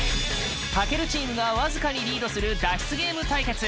健チームが僅かにリードする脱出ゲーム対決！